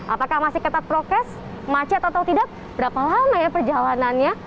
apakah masih ketat prokes macet atau tidak berapa lama ya perjalanannya